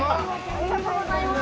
ありがとうございます。